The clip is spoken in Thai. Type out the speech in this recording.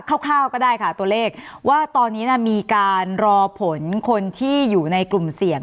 ร่าวก็ได้ค่ะตัวเลขว่าตอนนี้น่ะมีการรอผลคนที่อยู่ในกลุ่มเสี่ยง